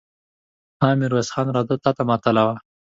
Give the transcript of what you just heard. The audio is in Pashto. ها! ميرويس خان! راځه، تاته ماتله وو.